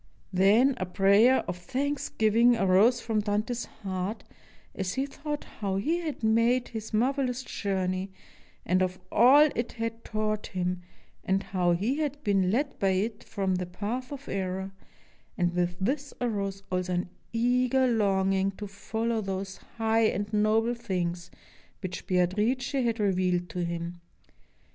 Then a prayer of thanksgiving arose from Dante's heart as he thought how he had made his mar velous journey, and of all it had taught him, and how he had been led by it from the path of error; and with this arose also an eager longing to follow those high and noble things which Beatrice had revealed to him.